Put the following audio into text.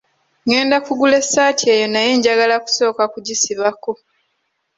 Ngenda kugula essaati eyo naye njagala kusooka kugisibako.